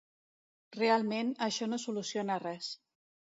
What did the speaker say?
Realment, això no soluciona res.